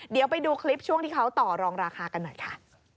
เดี๋ยวไปดูคลิปช่วงที่เขาต่อรองราคากันหน่อยค่ะ